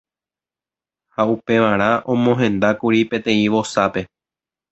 ha upevarã omohendákuri peteĩ vosápe